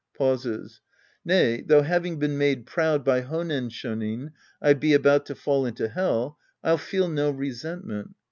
{Pauses^ Nay, though having been made proud by Honen Shonin, I be about to fall into Hell, I'll feel no resentment.